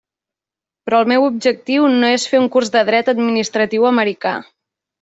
Però el meu objectiu no és fer un curs de dret administratiu americà.